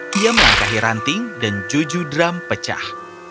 dia melangkahi ranting dan juju drum pecah